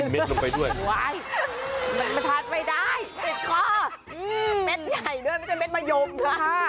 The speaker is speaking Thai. เม็ดก็ไม่ต้องกาศนะก่อนพูดอ